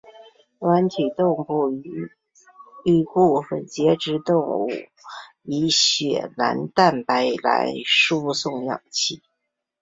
软体动物与部分的节肢动物以血蓝蛋白来输送氧气。